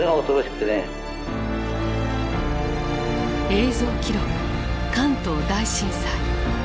「映像記録関東大震災」。